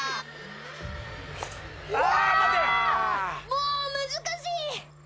もう難しい。